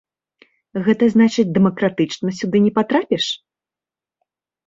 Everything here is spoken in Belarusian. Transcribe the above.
Гэта значыць дэмакратычна сюды не патрапіш?